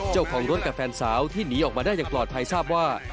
เจ้าของรถกับแฟนสาวที่หนีออกมาได้อย่างปลอดภัยทราบว่า